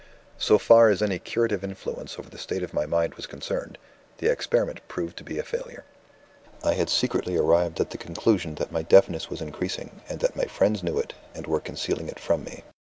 "So far as any curative influence over the state of my mind was concerned, the experiment proved to be a failure. "I had secretly arrived at the conclusion that my deafness was increasing, and that my friends knew it and were concealing it from me.